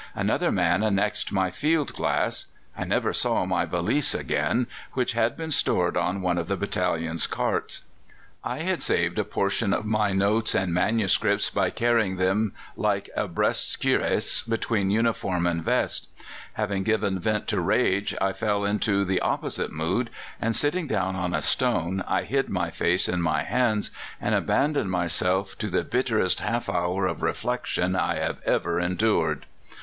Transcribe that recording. Another man annexed my field glass. I never saw my valise again, which had been stored on one of the battalion's carts. I had saved a portion of my notes and manuscripts by carrying them like a breast cuirass between uniform and vest. Having given vent to rage, I fell into the opposite mood, and, sitting down on a stone, I hid my face in my hands, and abandoned myself to the bitterest half hour of reflection I have ever endured."